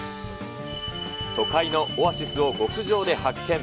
都会のオアシスを極上で発見。